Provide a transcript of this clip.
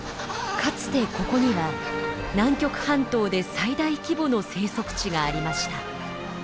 かつてここには南極半島で最大規模の生息地がありました。